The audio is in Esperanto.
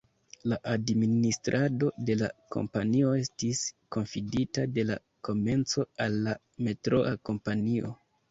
La administrado de la kompanio estis konfidita de la komenco al la Metroa kompanio.